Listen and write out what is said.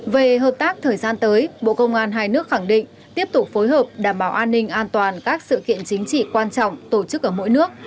về hợp tác thời gian tới bộ công an hai nước khẳng định tiếp tục phối hợp đảm bảo an ninh an toàn các sự kiện chính trị quan trọng tổ chức ở mỗi nước